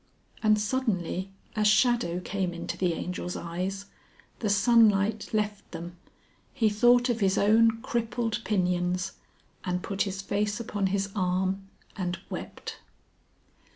And suddenly a shadow came into the Angel's eyes, the sunlight left them, he thought of his own crippled pinions, and put his face upon his arm and wept.